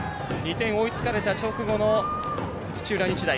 ２点を追いつかれた直後の土浦日大。